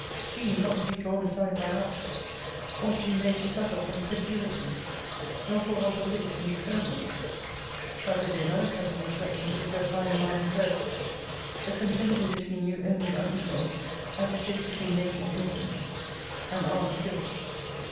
She not to be drawn aside by art, or to be made to suffer from credulity, nor for want of wit and discernment, (that will be another cutting reflection to so fine a mind as her's:) the contention between you only unequal, as it is between naked innocence and armed guilt.